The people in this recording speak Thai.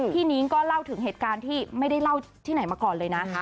นิ้งก็เล่าถึงเหตุการณ์ที่ไม่ได้เล่าที่ไหนมาก่อนเลยนะ